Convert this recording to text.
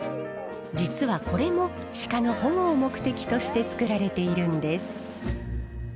実はこれも鹿の保護を目的として作られているんです。